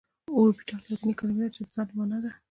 اوربيتال لاتيني کليمه ده چي د ځالي په معنا ده .